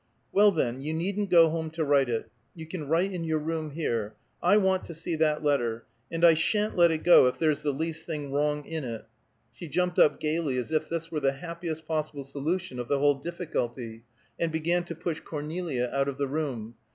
"Well, then, you needn't go home to write it; you can write in your room here. I want to see that letter, and I sha'n't let it go if there's the least thing wrong in it." She jumped up gayly, as if this were the happiest possible solution of the whole difficulty, and began to push Cornelia out of the room.